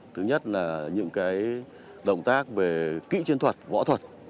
thứ nhất là những động tác về kỹ chiến thuật võ thuật